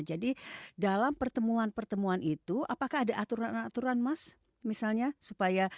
jadi dalam pertemuan pertemuan itu apakah ada aturan aturan mas misalnya